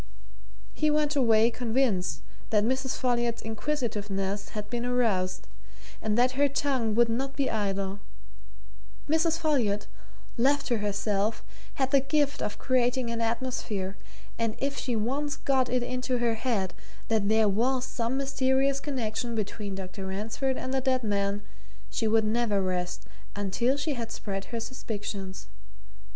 He went away convinced that Mrs. Folliot's inquisitiveness had been aroused, and that her tongue would not be idle: Mrs. Folliot, left to herself, had the gift of creating an atmosphere, and if she once got it into her head that there was some mysterious connection between Dr. Ransford and the dead man, she would never rest until she had spread her suspicions.